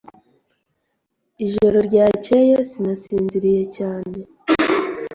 Ijoro ryakeye sinasinziriye cyane.